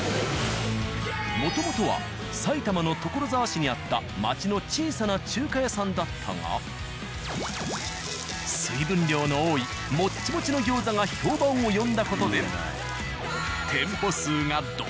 もともとは埼玉の所沢市にあった町の小さな中華屋さんだったが水分量の多いもっちもちの餃子が評判を呼んだ事で。